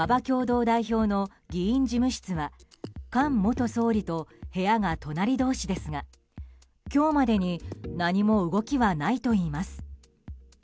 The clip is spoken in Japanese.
共同代表の議員事務室は菅元総理と部屋が隣同士ですが今日までに何も動きはないといいます。